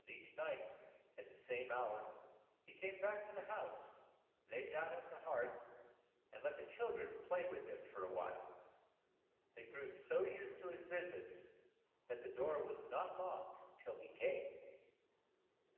But each night at the same hour he came back to the house, lay down on the hearth, and let the chil dren play with him for a while. They grew so used to his vis its that the door was not locked till he came.